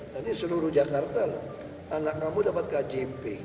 nanti seluruh jakarta loh anak kamu dapat kjp